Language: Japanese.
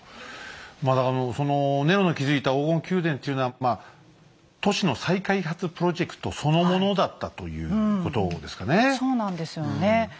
まあだからそのネロの築いた黄金宮殿っていうのはまあ都市の再開発プロジェクトそのものだったということですかね。